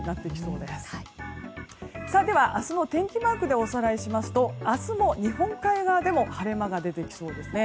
では、明日の天気マークでおさらいしますと明日も日本海側でも晴れ間が出てきそうです。